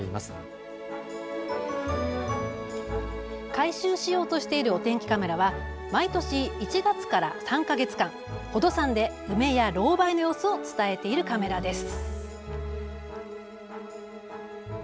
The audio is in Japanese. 回収しようとしているお天気カメラは毎年１月から３か月間宝登山で梅やロウバイの様子を伝えているカメラです。